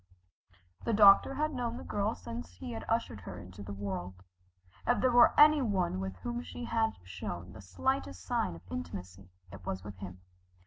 The doctor had known the girl since he ushered her into the world. If there were any one with whom she had shown the slightest sign of intimacy, it was with him.